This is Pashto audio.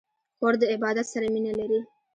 خور د عبادت سره مینه لري.